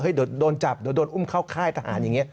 เดี๋ยวโดนจับเดี๋ยวโดนอุ้มเข้าค่ายทหารอย่างนี้